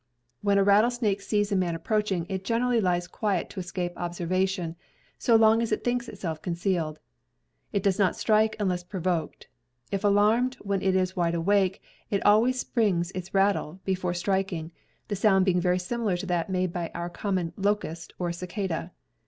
When a rattlesnake sees a man approaching, it generally lies quiet to escape observation, so long as it thinks itself concealed. It does not strike unless provoked. If alarmed when it is wide awake, it always springs its rattle before striking, the sound being very similar to that made by our common '' locust" or cicada.